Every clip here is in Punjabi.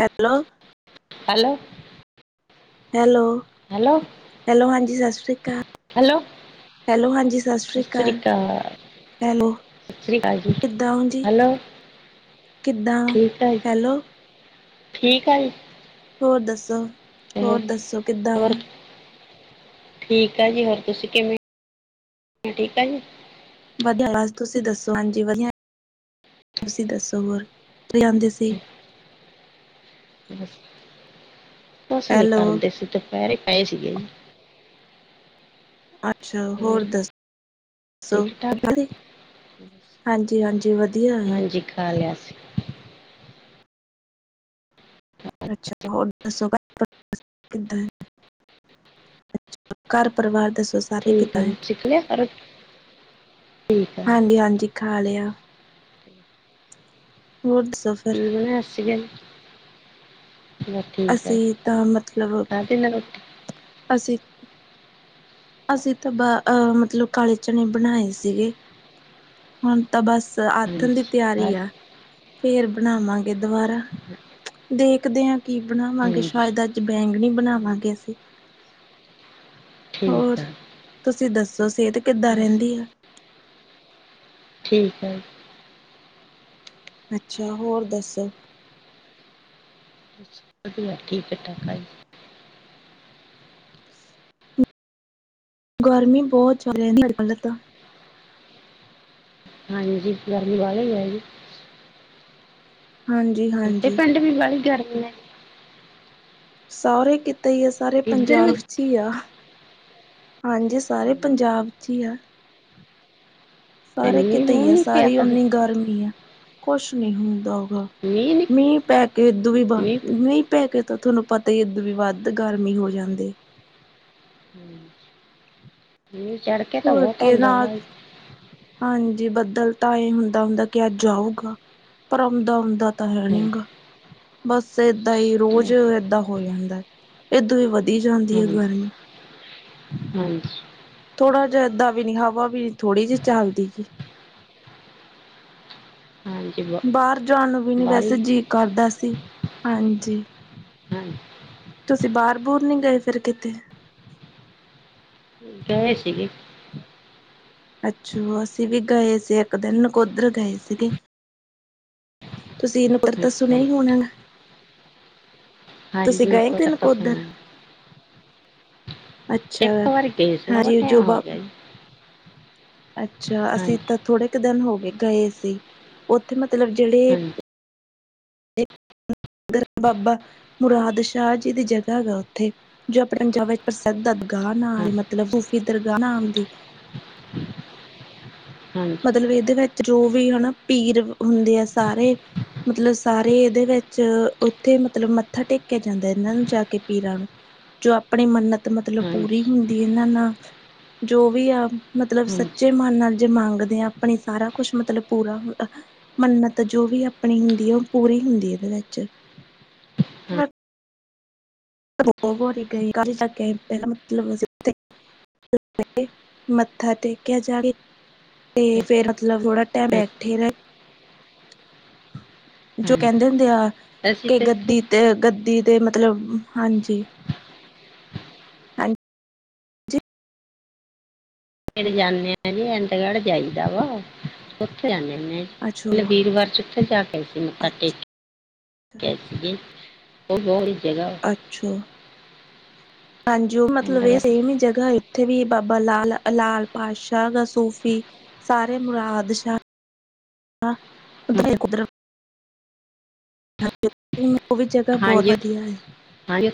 ਐ ਲੋ ਹੈਲੋ ਹੈਲੋ ਹੈਲੋ ਹੈਲੋ ਹਾਂਜੀ ਸਤਿ ਸ੍ਰੀ ਅਕਾਲ ਹੈਲੋ ਹੈਲੋ ਹਾਂਜੀ ਸਤਿ ਸ੍ਰੀ ਅਕਾਲ ਹੈਲੋ ਸਤਿ ਸ੍ਰੀ ਅਕਾਲ ਜੀ ਕਿੱਦਾਂ ਹੋ ਜੀ ਹੈਲੋ ਕਿੱਦਾਂ ਠੀਕ ਆ ਜੀ ਹੈਲੋ ਠੀਕ ਆ ਗੀ ਹੋਰ ਦੱਸੋ ਹੋਰ ਦੱਸੋ ਕਿੱਦਾਂ ਹੋ [unintelligible] ਠੀਕ ਆ ਜੀ ਹੋਰ ਤੁਸੀਂ ਕਿਵੇਂ ਓ ਠੀਕ ਆ ਜੀ ਵਧੀਆ ਤੁਸੀਂ ਦੱਸੋ ਹਾਂਜੀ ਵਧੀਆ ਤੁਸੀਂ ਦੱਸੋ ਹੋਰ ਕੀ ਆਂਦੇ ਸੀ ਬਸ ਕੁਛ ਨੀ ਹੈਲੋ ਕਰਦੇ ਸੀ ਦੁਪਹਿਰੇ ਪਏ ਸੀਗੇ ਜੀ ਅੱਛਾ ਹੋਰ ਦੱਸ ਦੱਸੋ ਠੀਕ ਠਾਕ [unintelligible] ਹਾਂਜੀ ਹਾਂਜੀ ਵਧੀ ਹਾਂਜੀ ਖਾ ਲਿਆ ਸੀ ਅੱਛਾ ਹੋਰ ਦੱਸੋ ਘਰ ਪਰਿਵਾਰ ਕਿੱਦਾਂ ਐ ਅ ਘਰ ਪਰਿਵਾਰ ਦੱਸੋ ਸ ਠੀਕ ਆ ਜੀ ਠੀਕ ਨੇ ਸਾਰੇ। ਹਾਂਜੀ ਹਾਂਜੀ ਖਾ ਲੇਆ। ਹੋਰ ਦੱਸੋ ਸਾ [unintelligible] ਬਸ ਠੀਕ ਆ ਅਸੀਂ ਤਾਂ ਮਤਲਬ ਖਾਧੀ ਨਾ ਰੋਟੀ ਅਸੀਂ ਅਸੀਂ ਤਾਂ ਦ ਮਤਲਬ ਕਾਲੇ ਚਣੇ ਬਣਾਏ ਸੀਗੇ। ਹੁਣ ਤਾਂ ਬਸ ਆਠਣ ਦੀ ਹਾਂਜੀ ਖਾ ਤਿਆਰੀ ਆ। ਫੇਰ ਬਣਾਵਾਂਗੇ ਦੁਬਾਰਾ ਦੇਖਦੇ ਆਂ ਕੀ ਬਣਾਵਾਂਗੇ, ਹਾਂਜੀ ਸ਼ਾਇਦ ਅੱਜ ਤੇ ਬੈਂਗਣ ਈ ਬਣਾਵਾਂਗੇ ਅਸੀ। ਹੋਰ ਠੀਕ ਆ ਜੀ ਤੁਸੀਂ ਦੱਸੋ ਸੇਹਤ ਕਿੱਦਾਂ ਬਸ ਰਹਿੰਦੀ ਆ। ਠੀਕ ਹੈ ਜ ਅੱਛਾ ਹੋਰ ਦੱਸੋ। ਵਧੀਆ ਠੀਕ ਠਾਕ ਆ ਜੀ ਗਰਮੀ ਬਹੁਤ ਚੱਲਦੀ ਹਾਲੇ ਤਾਂ। ਹਾਂਜੀ ਗਰਮੀ ਵਾਲੀ ਹੈਗੀ। ਹਾਂਜੀ ਹਾ ਉਥੇ ਪਿੰਡ ਵੀ ਵਾਲੀ ਗਰਮੀ ਹੈ। ਸਾਰੇ ਕਿੱਤੇ ਹੀ ਹੈ ਸਾਰੇ ਇੱਧਰ ਵੀ ਪੰਜਾਬ ਹੀ ਆ ਹਾਂਜੀ ਸਾਰੇ ਪੰਜਾਬ 'ਚ ਹੀ ਆ ਤੇ ਸਾਰੇ ਮੀਂਹ ਕਿਤੇ ਈ ਮੂੰਹ ਐ, ਨਹੀਂ ਪਿਆ ਸਾਰੀ ਕਦੇ ਓਨੀ ਗਰਮੀ ਆ ਕੁਛ ਨੀ ਹੁੰਦਾ ਹੂਗਾ। ਨੀ ਨੀ ਮੀਂਹ ਪੈ ਕੇ ਏਦੂ ਵੀ ਬਾ ਮੀਹ ਪੈ ਕੇ ਤਾਂ ਥੋਨੂੰ ਪਤਾ ਈ ਏ ਏਦੂ ਵੀ ਵੱਧ ਗਰਮੀ ਹੋ ਜਾਂਦੀ। ਹਮ [unintelligible] ਮੀਂਹ ਚੜ ਕੇ ਹੋਰ ਕੇ ਆਉਂਦਾ ਨਾ ਵਾ ਹਾਂਜੀ। ਬੱਦਲ ਤਾਂ ਏਹ ਹੁੰਦਾ- ਹੁੰਦਾ ਕਿ ਅੱਜ ਆਊਗਾ। ਪਰ ਆਉਂਦਾ- ਆਉਂਦਾ ਤਾਂ ਹੈ ਹਾਂਜੀ ਨੀਗਾ। ਬਸ ਏਦਾਂ ਹੀ ਰੋਜ਼ ਏਦਾਂ ਹੋਈ ਜਾਂਦੈ। ਏਦੋਂ ਈ ਵਧੀ ਜਾਂਦੀ ਐ ਹਾਂਜੀ ਗਰਮੀ ਹਮ [unintelligible] ਹਾਂਜੀ ਥੋੜਾ ਜੇਹਾ ਏਦਾਂ ਵੀ ਨੀ ਹਵਾ ਵੀ ਨੀ ਥੋੜੀ ਜੀ ਚੱਲਦੀ। ਹਾਂਜੀ [unintelligible] ਬਾਰ ਜਾਣ ਨੂੰ ਵੀ ਨੀ ਵੈਸੇ ਬਾਹਲੀ ਜੀਅ ਕਰਦਾ ਸੀ, ਹਾਂਜੀ। ਹਾਂਜੀ ਤੁਸੀ ਬਾਰ ਬੁਰ ਨੀ ਗਏ ਫੇਰ ਕਿਤੇ? ਗਏ ਸੀ ਗੇ। ਅੱਛਾ। ਅਸੀ ਵੀ ਗਏ ਸੀ ਇੱਕ ਦਿਨ ਨਕੋਦਰ ਗਏ ਸੀ ਗੇ। ਤੁਸੀਂ ਏਨੂੰ ਬਰ ਤਸੋ ਅੱਛਾ ਜੀ ਨਈ ਹੋਣਾ ਨਾ। ਗਏ ਹ ਕਿ ਨਕੋਦਰ [unintelligible] ਅੱਛਾ ਇੱਕ ਵਾਰੀ ਗਏ ਸੀ ਵਾਵਾ ਹਾਂਜੀ ਜੋ ਟੈਮ ਹੋ ਬਾ ਗਆ ਜੀ। ਅੱਛਾ ਹਾਂਜੀ ਅਸੀਂ ਤਾਂ ਥੋੜੇ ਕੁ ਦਿਨ ਹੋ ਗੇ ਗਏ ਸੀ, ਉਥੇ ਮਤਲਬ ਜੇੜੇ ਹਾਂਜੀ ਇੱਕ ਘਰ ਬਾਬਾ ਮੁਰਾਦ ਸ਼ਾਹ ਜੀ ਦੀ ਜਗਾ ਏ ਨਾ ਉਥੇ। ਜੋ ਆਪਣੇ ਪੰਜਾਬ ਵਿੱਚ ਪ੍ਰਸਿੱਧ ਅਗਾ ਨਾਂ ਹਾਂ- ਮਤਲਬ ਸੂਫੀ ਦਰਗਾ ਨਾਮ ਦੀ [unintelligible] ਹਾਂਜੀ ਮਤਲਬ ਇਦੇ ਵਿੱਚ ਰੂ ਵੀ ਏਨਾ ਪੀਰ ਵੀ ਹੁੰਦੇ ਆ ਸਾਰੇ। ਮਤਲਬ ਸਾਰੇ ਏਦੇ ਵਿੱਚ ਉਥੇ ਮਤਲਬ ਮੱਥਾ ਟੇਕਿਆ ਜਾਂਦਾ ਏ ਨਾ ਏਨਾਂ ਨੂੰ ਜਾ ਕੇ ਪੀਰਾਂ ਨੂੰ। ਜੋ ਆਪਣੀ ਮੰਨਤ ਹਾਂਜੀ ਮਤਲਬ ਪੂਰੀ ਹਾਂਜੀ ਹੁੰਦੀ ਇਹਨਾਂ ਨਾ ਜੋ ਵੀ ਆ ਮਤਲਬ ਸੱਚੇ ਮਨ ਨਾਲ ਜੇ ਮੰਗ ਦੇ ਆ, ਆਪਣੇ ਸਾਰਾ ਕੁਛ ਮਤਲਬ ਪੂਰਾ ਹੁੰਦਾ। ਮੰਨਤ ਜੋ ਵੀ ਆਪਣੀ ਹੁੰਦੀ, ਉਹ ਪੂਰੀ ਹੁੰਦੀ ਏਦੇ ਵਿੱਚ। ਰ ਹੀ ਗਈ ਕ ਤ ਪਦਾ ਮਤਲਬ ਅ [unintelligible] ਮੱਥਾ ਟੇਕਆ ਜਾ ਕੇ। ਤੇ ਫੇਰ ਮਤਲਬ ਥੋੜਾ ਟੈਮ ਬੈਠੇ ਰਹੇ। ਜੋ ਹਾਂਜੀ ਕਹੰਦੇ ਹੁੰਦੇ ਆ ਅਸੀਂ ਕਿ ਤੇ ਗੱਦੀ ਇੱਥੇ ਤੇ ਗੱਦੀ ਤੇ ਮਤਲਬ ਹਾਂਜੀ ਹਾਂਜ ਜਦੋ ਜਾਂਦੇ ਆ ਜੀ ਅੰਦਗੜ ਜਾਈਦਾ ਵਾ ਉਥੇ ਜਾਂਣੇ ਹੁਣੇ ਮਲਵ ਅੱਛਾ ਵੀਰਵਾਰ ਚ ਉੱਥੇ ਜਾ ਕੇ ਆਈ ਸੀ, ਮੱਥਾ ਅੱਛਾ ਟੇਕ- ਟੇਕ ਕੇ। ਉਹ ਬਹੁ ਹੀ ਜਗਾ ਅੱਛਾ। ਹਾਂਜੀ। ਉਹ ਮਤਲਬ ਇਹ ਅਹਿਮਦਾਬਾਦ ਸੇਮ ਹੀ ਜਗ੍ਹਾ ਏ। ਉੱਥੇ ਵੀ ਬਾਬਾ ਲਾਲ ਅ ਲਾਲ ਪਾਤਸ਼ਾਹ ਦਾ ਸੂਫ਼ੀ, ਸਾਰੇ ਮੁਰਾਦ ਸ਼ਾਹ ਹ ਹਾਂ- ਉਧਰ ਈ ਉਧਰ ਹਾਂਜੀ। ਉਵੀ ਜਗ੍ਹਾ ਬੋਹਤ ਹਾਂਜੀ ਵਧੀਆ ਐ। ਹਾਂਜੀ-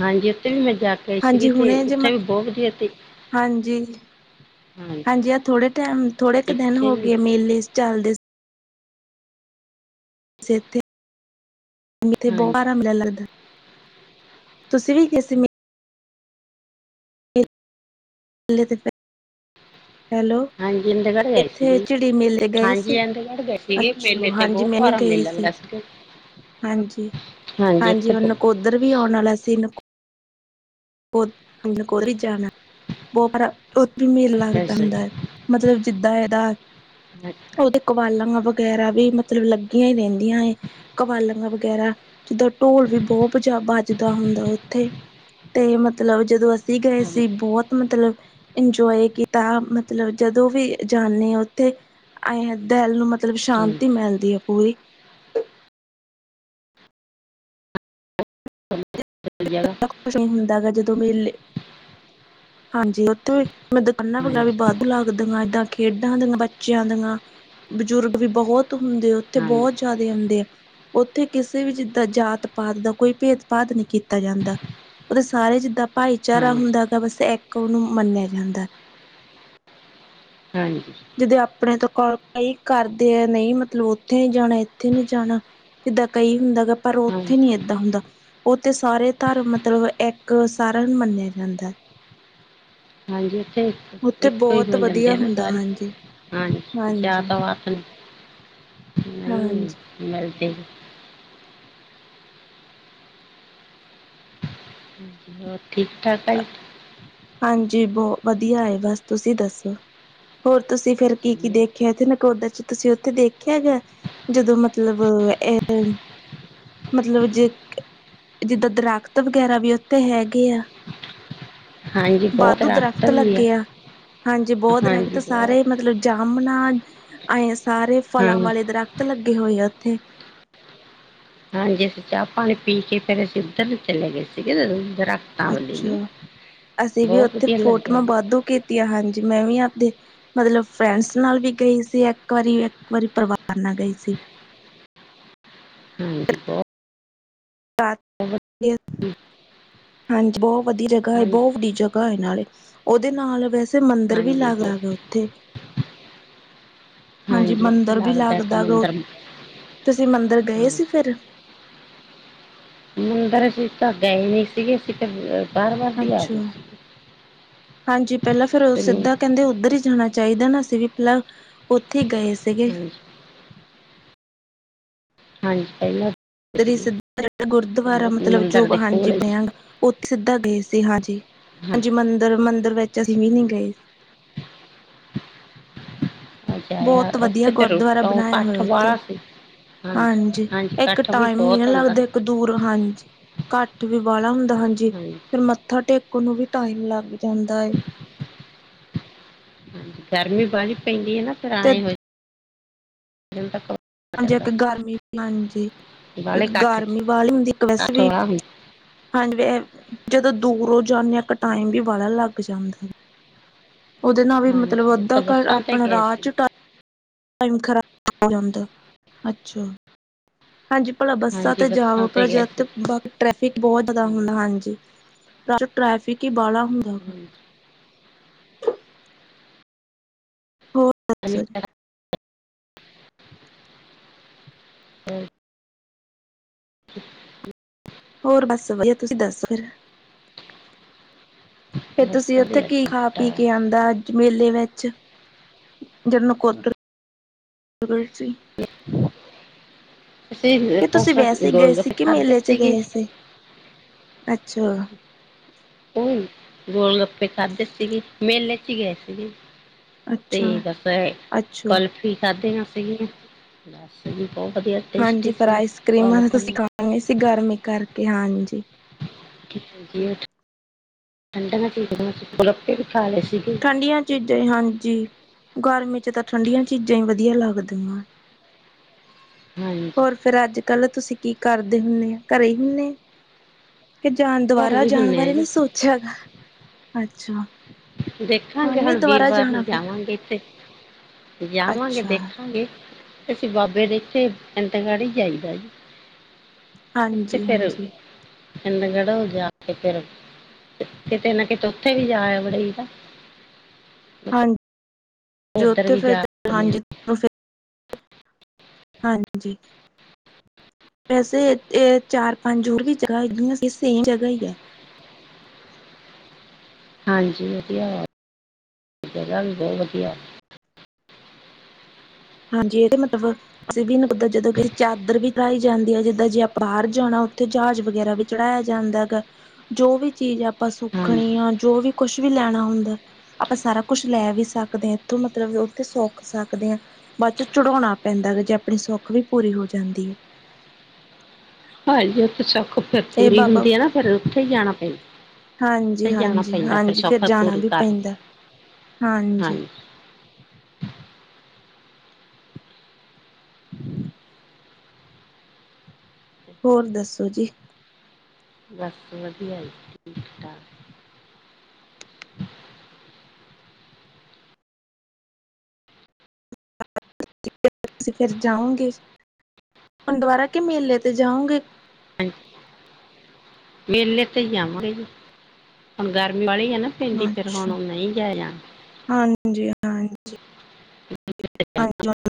ਹਾਂਜੀ। ਉਥੇ ਵੀ ਮੈਂ ਜਾ ਕੇ ਆਈ ਸੀਗੀ ਹਾਂਜੀ ਤੇ ਹੁਣੇ ਜੇ ਮ ਉੱਥੇ ਵੀ ਬਹੁਤ ਵਧੀਆ ਤੇ ਹਾਂਜੀ। ਹਾਂਜੀ। ਐ ਥੋੜੇ ਟੈਮ ਥੋੜੇ ਕ ਦਿਨ ਇੱਥੇ ਹੋ ਵੀ ਗਏ ਮੇਲੇ ਸ ਚੱਲਦੇ ਸੀ। ਬਹੁਤ ਹਾਂਜੀ ਭਾਰਾ ਮੇਲਾ ਲੱਗਦਾ ਹੈ। [unintelligible] ਤੁਸੀ ਵੀ ਕਿਸੇ ਮੇ ਚੁੱਲੇ ਤੇ ਪੈ ਹਾਂਜੀ ਅੰਦਗੜ ਗਏ ਸੀਗੇ- ਮੇਲੇ ਗਏ ਸੀ ਹਾਂਜੀ ਅੰਦਗੜ ਗਏ ਸੀਗੇ ਅੱਛਾ ਮੇਲੇ ਤੇ ਹਾਂਜੀ ਬੋਤ ਮੈਂ ਵੀ ਭਾਰਾ ਗਈ ਮੇਲਾ ਸੀ ਲਗਾ। [unintelligible] ਹਾਂਜੀ- ਹਾਂਜੀ ਹੁਣ ਨਕੋਦਰ ਵੀ ਆਉਣ ਆਲਾ ਸੀ। ਓਹ ਨ ਕੋਧ ਵੀ ਜਾਣਾ, ਬਹੁਪਰਾ ਉਥੇ ਵੀ ਮੇਲਾ ਲੱਗਦਾ ਐਸਾ ਹੁੰਦਾ ਜੀ ਏ ਮਤਲਬ ਜਿੱਦਾਂ ਇਹਦਾ, ਉਹਦੇ ਕਵਾਲਨ ਵਗੈਰਾ ਵੀ ਮਤਲਬ ਲੱਗੀਆਂ ਈ ਰਹਿੰਦੀਆਂ ਏ। ਕਵਾਲਨ ਵਗੈਰਾ ਜਿੱਦਾਂ ਢੋਲ ਵੀ ਬੋਤ ਜਿਆਦਾ ਬੱਜਦਾ ਹੁੰਦਾ ਉੱਥੇ ਤੇ ਮਤਲਬ ਜਦੋਂ ਅਸੀਂ ਗਏ ਹਾਂਜੀ, ਸੀ ਬੋਤ ਮਤਲਬ ਇੰਜੋਏ ਕੀਤਾ ਮਤਲਬ ਜਦੋਂ ਵੀ ਜਾਂਨੇ ਆ ਉੱਥੇ ਆਏ ਦਿਲ ਨੂੰ ਮਤਲਬ ਹਾਂਜੀ, ਸ਼ਾਂਤੀ ਮਿਲਦੀ ਹੈ ਪੂਰੀ। ਕਿੱਥੇ ਜਾਣਾ? ਬਹੋਤ ਕੁਛ ਹੁੰਦਾ ਵਾ ਜਦੋਂ ਮੇਲੇ, ਹਾਂਜੀ ਉੱਥੇ ਫੇਰ ਦੁਕਾਨਾਂ ਵਗੈਰਾ ਹਾਂਜੀ ਵੱਧ ਲੱਗਦੀਆਂ ਇਦਾਂ ਖੇਡਾਂ ਦੀਆਂ ਬੱਚਿਆਂ ਦੀਆਂ, ਬਜ਼ੁਰਗ ਵੀ ਬਹੋਤ ਧੁੰਦ ਉੱਥੇ ਹਾਂਜੀ ਬਹੋਤ ਜ਼ਿਆਦਾ। ਹੁੰਦੇ ਐ ਉੱਥੇ ਕਿਸੇ ਵੀ ਜਿੱਦਾਂ ਜਾਤ- ਪਾਤ ਦਾ ਕੋਈ ਭੇਧ ਭਾਧ ਨਹੀਂ ਕੀਤਾ ਜਾਂਦਾ। ਉਹਦੇ ਸਾਰੇ ਜਿੱਦਾਂ ਭਾਈਚਾਰਾ ਹਾਂਜੀ ਹੁੰਦਾ ਗਾ ਬਸ ਇੱਕ ਉਹਨੂੰ ਮੰਨਿਆ ਜਾਂਦਾ। ਹਾਂਜੀ ਜਿੱਦ ਅੱਪ ਆਪਣੇ ਤੋ ਕੋ ਕਈ ਕਰਦੇ ਆ ਨਹੀਂ ਮਤਲਬ ਉੱਥੇ ਨੀ ਜਾਣਾ- ਇੱਥੇ ਨੀ ਜਾਣਾ। ਜਿੱਦਾਂ ਕਈ ਹੁੰਦਾ ਗਾ ਪਰ ਹਾਂ- ਉੱਥੇ ਨੀ ਏਦਾਂ ਹੁੰਦਾ, ਉਥੇ ਸਾਰੇ ਧਰਮ ਮਤਲਬ ਇੱਕ ਸਾਰਿਆਂ ਨੂੰ ਮੰਨਿਆ ਜਾਂਦਾ ਹੈ। ਹਾਂਜੀ ਉੱਥੇ ਉੱਥੇ ਇੱਕੋ ਹੀ ਬਹੁਤ ਹੋ ਜਾਂਦੇ ਵਧੀਆ ਆ ਨਾ ਹੁੰਦਾ ਸਾਰੇ ਹਾਂਜੀ ਹਾਂਜੀ ਜਾਤ- ਹਾਂਜੀ, ਪਾਤ ਨੀ। ਹਾਂਜੀ। ਮਿਲਦੇ ਵੀ। ਹੋਰ ਠੀਕ- ਠਾਕ ਪਾਈ। ਹਾਂਜੀ ਬੋਹ ਵਧੀਆ ਐ ਬਸ ਤੁਸੀਂ ਦੱਸੋ? ਹੋਰ ਤੁਸੀਂ ਫੇਰ ਕੀ- ਕੀ ਜੀ ਦੇਖਿਆ ਇੱਥੇ ਨਕੋਦਰ ਚ ਤੁਸੀਂ ਉੱਥੇ ਦੇਖਿਆ ਹੈ ਗਾ। ਜਦੋਂ ਮਤਲਬ ਇਹ ਹੁਨ, ਮਤਲਬ ਜੇ ਜਿੱਦਾਂ ਦਰਖਤ ਵਗੈਰਾ ਵੀ ਉੱਥੇ ਹੈਗੇ ਆ। ਹਾਂਜੀ ਬਹੁਤ ਵਾਧੂ ਰਸਤ ਦਰੱਖਤ ਵੀ ਲੱਗੇ ਆ, ਹਾਂਜੀ ਬੋਤ ਦਰੱਖਤ ਹਾਂਜੀ ਸਾਰੇ ਬਹੁਤ ਮਤਲਬ ਜਾਮਣਾ ਅਏ ਸਾਰੇ ਹਾਂ ਫਲਾਂ ਵਾਲੇ ਦਰਖਤ ਲੱਗੇ ਹੋਏ ਆ ਉੱਥੇ। ਹਾਂਜੀ ਅਸੀਂ ਚਾਹ ਪਾਣੀ ਪੀ ਕੇ ਫੇਰ ਅਸੀਂ ਉੱਧਰ ਨੂੰ ਚਲੇ ਗਏ ਸੀਗੇ, ਦਰੱਖਤ ਅੱਛਾ ਅਸੀਂ ਵੀ ਉੱਥੇ ਵਧੀਆ ਲੱਗਿਆ ਫੋਟੋਆਂ ਜੀ ਵਾਧੂ ਕੀਤੀਆਂ ਹਾਂਜੀ ਮੈਂ ਵੀ ਆਪਦੇ ਮਤਲਬ ਫਰੈਂਡਸ ਨਾਲ ਵੀ ਗਈ ਸੀ ਇੱਕ ਵਾਰੀ, ਇੱਕ ਵਾਰੀ ਪਰਿਵਾਰ ਨਾਲ ਗਈ ਸੀ। ਹੂੰ ਠੀਕ ਓ। ਬਾ, ਵੀ ਹਾਂਜੀ ਬੋਹ ਵਧੀਆ ਜਗਾ ਹੈ ਹਾਂਜੀ ਬਹੁਤ ਵੱਡੀ ਜਗਾ ਹੈ ਨਾਲੇ ਉਹਦੇ ਨਾਲ ਵੈਸੇ ਤੇ ਮੰਦਰ ਵੀ ਹਾਂਜੀ ਲਾਗ ਰਾ ਬਹੁਤ ਹਾ ਉੱਥੇ। ਹਾਂਜੀ ਇੱਥੇ ਮੰਦਿਰ ਵੀ ਇੱਕ ਲੱਗਦਾ ਗਾ ਉਹ, ਮੰਦਿਰ ਤੁਸੀਂ ਮੰਦਿਰ ਗਏ ਸੀ ਹਾਂਜੀ ਫੇਰ। ਮੰਦਿਰ ਅਸੀਂ ਤਾਂ ਗਏ ਨਹੀਂ ਸੀਗੇ ਫੇਰ। ਅੱਛਾ ਹਾਂਜੀ ਪਹਿਲਾਂ ਫੇਰ ਸਿੱਧਾ ਕਹਿੰਦੇ ਉੱਧਰ ਹੀ ਜਾਣਾ ਚਾਹੀਦਾ ਨਾ ਅਸੀਂ ਵੀ ਪਹਿਲਾਂ ਉੱਥੇ ਈ ਗਏ ਸੀਗੇ। ਹਾਂਜੀ ਹਾਂਜੀ ਪਹਿਲਾਂ ਤੇ ਜੀ ਸੀਗੀ ਸਿੱਧਾ ਗੁਰਦੁਆਰਾ ਮਤਲਬ ਜੋ ਮੰਦਿਰ ਦੇ ਕੋਲ ਹਾਂਜੀ ਹੀ ਬਣਿਆ ਸੀ। ਉਥੇ ਸਿੱਧਾ ਗਏ ਸੀ ਹਾਂਜੀ। ਹਾਂਜੀ ਮੰਦਿਰ ਮੰਦਿਰ ਵਿੱਚ ਅਸੀਂ ਵੀ ਨਹੀ ਗਏ। ਜਾਇਆ ਬਹੁਤ ਵਧੀਆ ਉੱਥੇ ਤੇ ਰੁ ਗੁਰਦੁਆਰਾ ਉਹ ਬਣਾਇਆ ਹੋਇਆ ਇਕੱਠ ਉੱਥੇ, ਵਾਲਾ ਸੀ ਹਾਂਜੀ, ਇੱਕ ਇਕੱਠ ਵੀ ਟਾਈਮ ਨਾ ਬਹੁਤ ਹੁੰਦਾ ਲੱਗਦੇ ਇੱਕ, ਦੂਰ ਹਾਂਜੀ ਘੱਠ ਵੀ ਬਾਹਲਾ ਹੁੰਦਾ ਹਾਂਜੀ ਫਿਰ ਮੱਥਾ ਟੇਕ, ਨੂੰ ਵੀ ਟਾਈਮ ਲੱਗ ਜਾਂਦਾ ਐ, ਗਰਮੀ ਬਾਹਲੀ ਪੈਂਦੀ ਆ ਨਾ ਫਿਰ ਤੇ ਆਏ ਹੋਏ, [unintelligible] ਹਾਂਜੀ ਚੜਦਾ ਇੱਕ ਗਰਮੀ ਹਾਂਜੀ ਬਾਹਲੇ ਇੱਕ ਇਕੱਠ ਚ ਗਰਮੀ ਵਾਲੀ ਹੁੰਦੀ ਇੱਕ ਵੈਸ ਇਕੱਠ ਵੀ, ਵਾਲਾ ਹੁੰਦਾ ਹਾਂਜੀ ਜਦੋਂ ਦੂਰੋ ਜਾਨੇ ਆ ਇੱਕ ਟਾਈਮ ਵੀ ਵਾਲਾ ਲੱਗ ਜਾਂਦਾ। ਉਹਦੇ ਨਾਲ ਵੀ ਹਾਂਜੀ ਮਤਲਬ ਉਹ ਅੱਧਾ ਤਾਂ ਘਰ ਬੱਸਾਂ ਤੇ ਆਪਣਾ ਗਏ ਰਾਹ ਚ ਸੀ ਟਾਇਮ, ਟਾਇਮ ਖਰਾਬ ਹੋ ਜਾਦਾ। ਹਾਂਜੀ ਭਲਾ ਬੱਸਾਂ ਹਾਂਜੀ ਤੇ ਜਾਵੋ ਤੇ ਭਲਾ ਗਏ ਸੀ ਜਦ ਬਾਕੀ ਟ੍ਰੈਫਿਕ ਬਹੁਤ ਜ਼ਿਆਦਾ ਹੁੰਦਾ। ਹਾਂਜੀ, ਟ੍ਰੈਫਿਕ ਹੀ ਬਾਲਾ ਹੁੰਦਾ। ਗਾ ਹਮ ਹੋਰ ਦਸੋ ਜੀ, ਹਾਂ [inaudible] ਹੋਰ ਬਸ ਵਧੀਆ ਤੁਸੀਂ ਦੱਸੋ ਫਿਰ, ਫਿਰ ਤੁਸੀਂ ਬੱਸਾਂ ਦੇ ਉੱਥੇ ਆ ਕੀ ਠੀਕ ਖਾ ਪੀ ਕੇ ਠਾਕ ਆਂਦਾ ਅਜ ਮੇਲੇ ਵਿੱਚ, ਜਦੋ ਨਕੋਦਰ ਵਲ ਗਏ ਸੀ। ਅਸੀਂ ਕਿ ਤੁਸੀਂ ਪਾਸ ਵੈਸੇ ਹੀ ਗਏ ਗੋਲ ਸੀ ਗੱਪੇ ਕਿ ਖਾਧੇ ਮੇਲੇ ਚ ਸੀਗੇ ਗਏ ਸੀ। ਅੱਛਾ, ਉਹ ਗੋਲ ਗੱਪੇ ਖਾਦੇ ਸੀਗੇ ਮੇਲੇ ਚ ਗਏ ਸੀਗੇ, ਤੇ ਅੱਛਾ ਬਸ ਹੈ ਅੱਛਾ ਪਲ [unintelligible] ਕੀ ਖਾਧੀਆ ਸੀਗੀਆਂ ਬਸ ਜੀ ਬਹੁਤ ਵਧੀਆ ਸੀ, ਟੇਸਟੀ ਹਾਂਜੀ, ਫਿਰ ਆਈਸ ਕਰ੍ਰੀਮਾਂ ਪਾਲਕ ਤੁਸੀਂ ਖਾਣੀਆ ਸੀ ਗਰਮੀ ਕਰਕੇ ਹਾਂਜੀ, ਠੰਡੀਆ ਚੀਜ਼ਾਂ ਗੁਲੱਪੇ ਵੀ ਖਾ ਲਏ ਸੀਗੇ। ਠੰਡੀਆਂ ਚੀਜ਼ਾਂ ਜੀ ਹਾਂਜੀ ਗਰਮੀ ਚ ਤਾਂ ਠੰਡੀਆਂ ਚੀਜ਼ਾਂ ਹੀ ਵਧੀਆ ਲੱਗਦੀਆਂ। ਹਾਂਜੀ ਹੋਰ ਫਿਰ ਅੱਜ ਕੱਲ੍ਹ ਤੁਸੀਂ ਕੀ ਕਰਦੇ ਹੁੰਨੇ ਆ ਘਰੇ ਹੀ ਹੁੰਨੇ, ਕਿ ਜਾਣ ਘਰੇ ਦੁਬਾਰਾ ਵੀ ਜਾਣ ਹੁੰਨੇ ਆ ਬਾਰੇ ਨਹੀ ਜੀ ਸੋਚਿਆ ਗਾ ਅੱਛਾ, ਦੇਖਾਂਗੇ ਨੀ ਹੁਣ ਦੁਬਾਰਾ ਵੀਰਵਾਰ ਜਾਣਾ ਨੂੰ ਫਿਰ ਜਾਵਾਂਗੇ ਇੱਥੇ, ਜਾਵਾਂਗੇ ਅੱਛਾ ਦੇਖਾਂਗੇ, ਅਸੀਂ ਬਾਬੇ ਦੇ ਇਥੇ ਇੰਦਗੜ ਈ ਜਾਈਦਾ ਜੀ, ੳਥੇ ਹਾਂਜੀ ਫਿਰ, ਹਾਂਜੀ ਇੰਦਗੜ੍ਹ ਹੋ ਜਾ ਕੇ ਫਿਰ ਕਿਤੇ ਨਾ ਕਿਤੇ ਉੱਥੇ ਵੀ ਜਾ ਬੜੀ ਦਾ, ਹਾਂਜੀ ਜੋ ਉੱਧਰ ੳਥੇ ਵੀ ਫਿਰ ਜਾ ਜਾਨ ਆਨੇ ਹਾਂਜੀ, ਆ ਹਾਂਜੀ, ਵੈਸੇ ਇਹ ਚਾਰ ਪੰਜ ਹੋਰ ਵੀ ਜਗ੍ਹਾ ਹੇਗੀਆ ਸੀ ਇਸੇਮ ਜਗ੍ਹਾ ਹੀ ਆ, ਹਾਂਜੀ, ੳਹ ਤੇ ਹੈ, ਵ ਜਗ੍ਹਾ ਵੀ ਬਹੁਤ ਵਧੀਆ, ਹਾਂਜੀ ਇਹਦੇ ਮਤਲਬ, ਅਸੀ ਵੀ ਨਕੋਦਰ ਜਦੋਂ ਗਏ ਚਾਦਰ ਵੀ ਚੜਾਈ ਜਾਂਦੀ ਆ ਜਿੱਦਾਂ ਜੇ ਬਾਹਰ ਜਾਣਾ ਉੱਥੇ ਜਹਾਜ਼ ਵਗੈਰਾ ਵੀ, ਚੜਾਇਆ ਜਾਦਾਗਾ ਜੋ ਵੀ ਚੀਜ਼ ਆਪਾ ਹਾਂਜੀ ਸੁੱਖਣੀ ਆ ਜੋ ਵੀ ਕੁਛ ਵੀ ਲੈਣਾ ਹੁੰਦਾ, ਆਪਾ ਸਾਰਾ ਕੁਛ ਲੈ ਵੀ ਸਕਦੇ ਐ ਇੱਥੋਂ ਮਤਲਬ ਉੱਥੇ ਸੁੱਖ ਸਕਦੇ ਆ। ਬਾਅਦ ਚ ਚੜਾਉਣਾ ਪੈਦਾਗਾ ਜੇ ਆਪਣੀ ਸੁੱਖ ਵੀ ਪੂਰੀ ਹੋ ਜਾਦੀ ਏ। ਹਾਂਜੀ ਉਥੇ ਸੁੱਖ ਫਿਰ ਹੈ ਇਹ ਪੂਰੀ ਬਾਬਾ ਹੁੰਦੀ ਆ ਨਾ ਫੇਰ ਉੱਥੇ ਹੀ ਜਾਣਾ ਪੈਂਦਾ। ਤੇ ਹਾਂਜੀ ਜਾਣਾ ਹਾਂਜੀ ਪੈਂਦਾ ਪਰ ਹਾਂਜੀ ਫਿਰ ਸੁੱਖ ਜਾਣਾ ਪੂਰੀ ਵੀ ਕਰਨ ਪੈਂਦਾ ਹਾਂਜੀ, ਹੋਰ ਦੱਸੋ ਜੀ। ਬਸ ਵਦੀਆ ਜੀ, ਠੀਕ ਠਾਕ। [unintelligible] ਤੁਸੀਂ ਫਿਰ ਜਾਓਗੇ ਹੁਨ ਦੁਬਾਰਾ ਕਿ ਮੇਲੇ ਤੇ ਜਾਓਗੇ। ਹਾਂਜ, ਮੇਲੇ ਤੇ ਈ ਜਾਵਾਂਗੇ ਜੀ, ਹੁਣ ਗਰਮੀ ਬੜੀ ਐ ਨਾ। ਭੈਣ ਜੀ ਫਿਰ ਹੁਣ ਨਈ ਜਾਏਆ ਜਾਣਾ। ਹਾਂਜੀ-ਹਾਂਜੀ [unintelligible]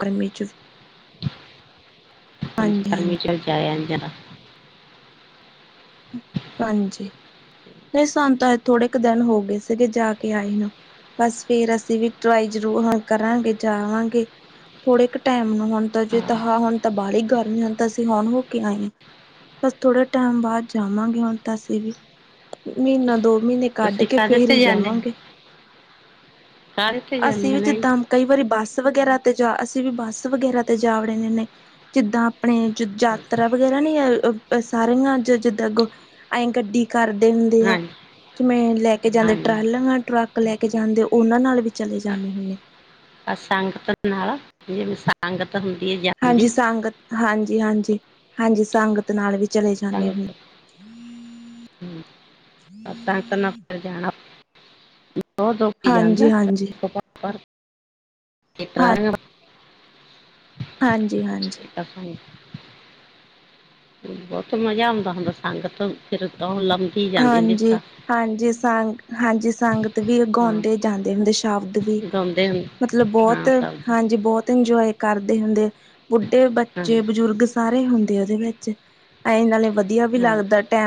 ਗਰਮੀ 'ਚ। ਹਾਂਜੀ ਹਾਂਜੀ ਗਰਮੀ 'ਚ ਜਾਏਆ ਨੀ ਜਾਨਾ। ਹੂੰ, ਹਾਂਜੀ ਨਈ ਸਾਨੂੰ ਤਾਂ ਥੋੜੇ ਕ ਦਿਨ ਹੋਗੇ ਸੀਗੇ ਜਾ ਕੇ ਆਏ ਨੂੰ। ਬਸ ਫੇਰ ਅਸੀਂ ਵੀ ਟਰਾਈ ਜ਼ਰੂਰ ਹੁਣ ਕਰਾਂਗੇ ਜਾਵਾਂਗੇ। ਥੋੜੇ ਕ ਟਾਈਮ ਨੂੰ ਹੁਣ ਤਾਂ ਜੇ ਹਾਂ ਤੇਹਾ ਹੁਣ ਤਾਂ ਬਾਲੀ ਗਰਮੀ ਹੁਣ ਤਾਂ ਅਸੀਂ ਹੁਣ ਹੋ ਕੇ ਆਏ ਆਂ। ਬਸ ਥੋੜੇ ਟਾਈਮ ਬਾਦ ਜਾਵਾਂਗੇ ਹੁਣ ਤਾਂ ਅਸੀਂ ਵੀ ਮੀਂਨਾ ਦੋ ਮੀਂਨੇ ਕੱਢ ਤੁਸੀਂ ਕੇ ਕਾਹਦੇ ਫੇਰ ਈ ਤੇ ਜਾਂਦੇ ਜਾਵਾਂਗੇ। ਕਾਹਦੇ ਤੇ ਜਾਂਦੇ ਅਸੀਂ ਹੋ ਵੀ ਨਾ ਜੀ ਜਿੱਦਾਂ ਕਈ ਵਾਰੀ ਬੱਸ ਵਗੈਰਾ ਤੇ ਜਾ ਅਸੀਂ ਵੀ ਬੱਸ ਵਗੈਰਾ ਤੇ ਜਾ ਵੜਨੇ ਨੇ। ਜਿੱਦਾਂ ਆਪਣੇ ਜਾ ਜਾਤਰਾ ਵਗੈਰਾ ਨੀਂ ਏ ਊ ਸਾਰੀਆਂ ਜਿੱਦਾਂ ਗੋ ਅਏ ਗੱਡੀ? ਕਰਦੇ ਹੁੰਦੇ ਆ ਹਾਂਜੀ ਕਿ ਮੈਂ ਲੈ ਕੇ ਜਾਂਦੇ ਹਾਂਜੀ ਟਰਾਲਾਂ ਟਰੱਕ ਲੈ ਕੇ ਜਾਂਦੇ ਓਨਾਂ ਨਾਲ ਵੀ ਚਲੇ ਜਾਂਨੇ ਹੁੰਨੇ। ਅ ਸੰਗਤ ਨਾਲ ਆ ਜੇੜੀ ਸੰਗਤ ਤਾਂ ਹੁੰਦੀ ਏ ਜਾ ਹਾਂਜੀ ਸੰਗਤ ਹਾਂਜੀ, ਹਾਂਜੀ, ਹਾਂਜੀ ਸੰਗਤ ਨਾਲ ਵੀ ਚਲੇ ਜਾਂਨੇ ਹੁੰਨੇ। ਹੂੰ, ਤਾਂ ਸੰਗਤ ਨਾਲ ਫਿਰ ਜਾਣਾ ਬੋਤ ਲੋਕੀ ਜਾਂਦੇ ਆ ਹਾਂਜੀ ਹਾਂਜੀ ਟਰਾਲੀਆਂ ਭਰ ਭਰ ਕੇ ਕੇ ਟਰਾਲੀਆਂ [unintelligible] ਹਾਂਜੀ-ਹਾਂਜੀ। ਅੱਛਾ ਜੀ। ਬੋਤ ਮਜ਼ਾ ਆਉਂਦਾ ਹੁੰਦਾ, ਸੰਗਤ ਫਿਰ ਤਾਂ ਓ ਲਮਕੀ ਜਾਂਦੀ ਹੁੰਦੀ ਹਾਂਜੀ ਸ ਹਾਂਜੀ ਸੰਗ ਹਾਂਜੀ ਸੰਗਤ ਵੀ ਓ ਹਾਂ ਗਾਉਂਦੇ ਜਾਂਦੇ ਹੁੰਦੇ ਸ਼ਬਦ ਵੀ। ਗਾਉਂਦੇ ਮਤਲਬ ਬੋਤ ਹਾਂ ਸਭ ਦੇ ਹਾਂਜੀ ਬੋਤ ਇੰਜੋਏ ਕਰਦੇ ਹੁੰਦੇ, ਬੁੱਢੇ, ਹਾਂ ਬੱਚੇ ਬਜ਼ੁਰਗ ਸ ਸਾਰੇ ਹੁੰਦੇ ਓਦੇ ਵਿੱਚ ਐਂ ਨਾਲੇ ਵਦੀਆ ਵੀ ਹਾਂਜੀ ਲੱਗਦਾ। ਟੈਮ